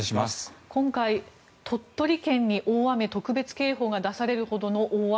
今回、鳥取県に大雨特別警報が出されるほどの大雨。